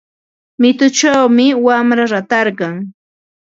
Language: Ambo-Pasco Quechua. Mituchawmi wamra ratarqun.